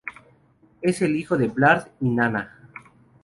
Es el hijo de Baldr y Nanna.